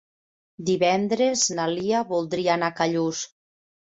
Divendres na Lia voldria anar a Callús.